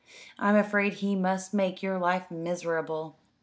"I'm afraid he must make your life miserable."